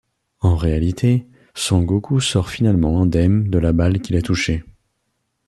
En réalité, Son Goku sort finalement indemne de la balle qui l'a touché.